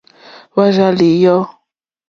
Wàà rzà lìyɔ̌.